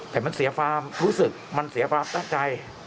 แต่มันเสียความรู้สึกมันเสียความตั้งใจ